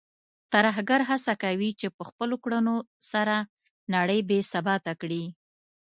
ترهګر هڅه کوي چې په خپلو کړنو سره نړۍ بې ثباته کړي.